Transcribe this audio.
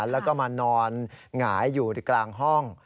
แล้วก็มานอนหงายอยู่กลางห้อง